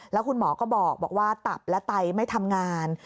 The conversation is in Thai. แล้วคุณหมอก็บอกว่าตับและไตไม่ทำงาน